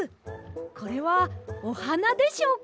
これはおはなでしょうか？